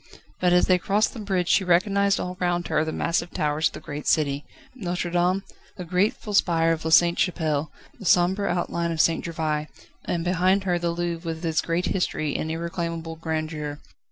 But as they crossed the bridge she recognised all round her the massive towers of the great city: Notre Dame, the grateful spire of La Sainte Chapelle, the sombre outline of St. Gervais, and behind her the Louvre with its great history and irreclaimable grandeur.